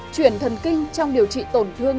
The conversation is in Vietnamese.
chuyển thần kinh trong điều trị tổn thương